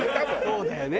そうだよね。